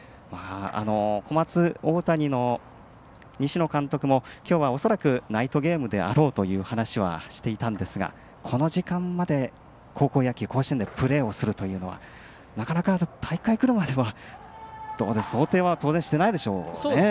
小松大谷の西野監督もきょうは恐らくナイトゲームであろうという話はしていたんですがこの時間まで高校野球、甲子園でプレーするというのはなかなか、大会くるまでは想定は当然してないでしょうね。